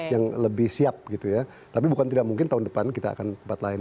yang lebih siap gitu ya tapi bukan tidak mungkin tahun depan kita akan tempat lain